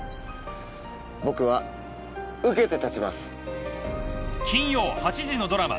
僕は受けて立ちます。